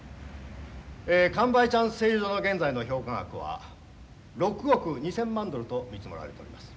えカンバイチャンス製油所の現在の評価額は６億２，０００万ドルと見積もられております。